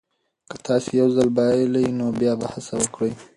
که تاسي یو ځل بایللي نو بیا هڅه وکړئ.